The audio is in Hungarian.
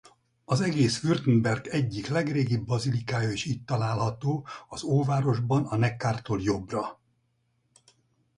Az egész Württemberg egyik legrégibb bazilikája is itt található az óvárosban a Neckaról jobbra.